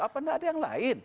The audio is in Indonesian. apa tidak ada yang lain